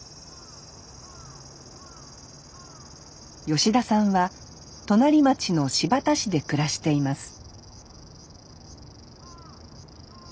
吉田さんは隣町の新発田市で暮らしています